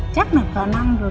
chắc là cả năm rồi